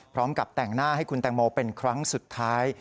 พร้อมกับแต่งหน้าให้คุณแตงโมเป็นครั้งสุดท้าย